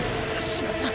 しまった！！